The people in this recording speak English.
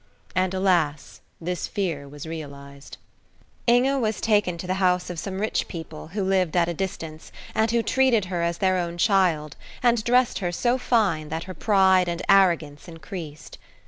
And, alas! this fear was realized. Inge was taken to the house of some rich people, who lived at a distance, and who treated her as their own child, and dressed her so fine that her pride and arrogance increased.